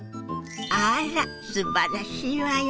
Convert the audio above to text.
あらすばらしいわよね。